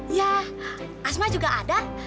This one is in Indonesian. iya asma juga ada